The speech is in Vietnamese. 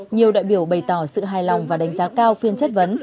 nhiều đại biểu bày tỏ sự hài lòng và đánh giá cao phiên chất vấn